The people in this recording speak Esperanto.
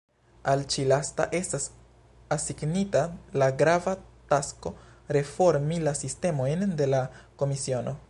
Al ĉi-lasta estas asignita la grava tasko reformi la sistemojn de la komisiono.